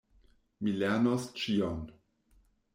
Mi lernos ĉion.